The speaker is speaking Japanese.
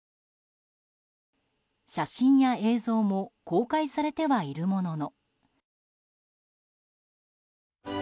写真や映像も公開されてはいるものの。